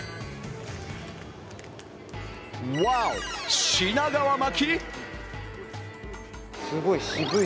ワオ、品川巻！